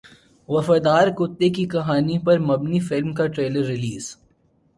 وفادار کتے کی کہانی پر مبنی فلم کا ٹریلر ریلیز